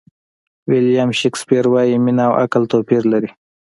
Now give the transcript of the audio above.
ویلیام شکسپیر وایي مینه او عمل توپیر لري.